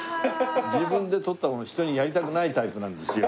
自分で取ったもの人にやりたくないタイプなんですよ。